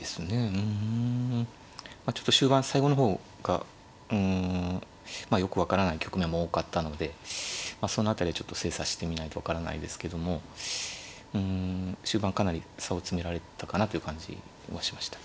うんちょっと終盤最後の方がよく分からない局面も多かったのでその辺りちょっと精査してみないと分からないですけどもうん終盤かなり差を詰められたかなという感じもしました。